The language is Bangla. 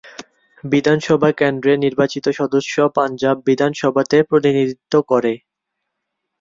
বিধানসভা কেন্দ্রের নির্বাচিত সদস্য পাঞ্জাব বিধানসভাতে প্রতিনিধিত্ব করে।